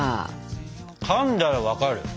かんだら分かる。